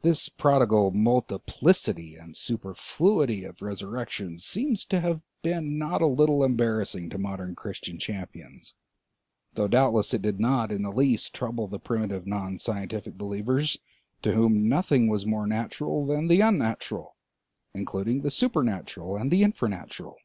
This prodigal multiplicity and superfluity of resurrections seems to have been not a little embarrassing to modern Christian champions, though doubtless it did not in the least trouble the primitive non scientific believers, to whom nothing was more natural than the unnatural, including the supernatural and the infranatural.